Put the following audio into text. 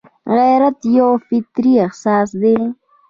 غیرت یو فطري احساس دی